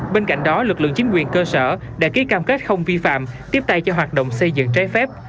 bên cạnh đó lực lượng chính quyền cơ sở đã ký cam kết không vi phạm tiếp tay cho hoạt động xây dựng trái phép